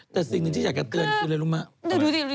แต่สิ่งหนึ่งที่อยากจะเตือนคืออะไรรู้ไหม